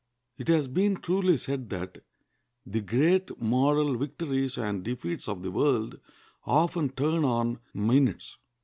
It has been truly said that the great moral victories and defeats of the world often turn on minutes.